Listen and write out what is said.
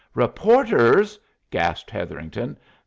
"Reporters?" gasped Hetherington.